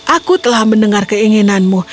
aku telah mendengar keinginanmu